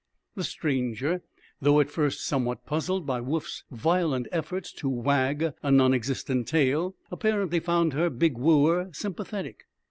The stranger, though at first somewhat puzzled by Woof's violent efforts to wag a non existent tail, apparently found her big wooer sympathetic.